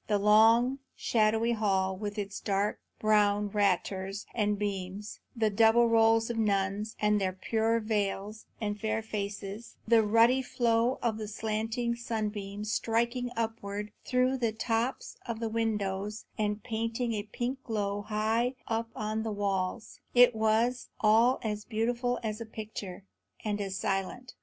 The long, shadowy hall, with its dark brown raters and beams; the double rows of nuns, with their pure veils and fair faces; the ruddy flow of the slanting sunbeams striking upwards through the tops of the windows and painting a pink glow high up on the walls, it was all as beautiful as a picture, and as silent.